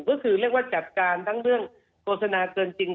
ก็คือเรียกว่าจัดการทั้งเรื่องโฆษณาเกินจริง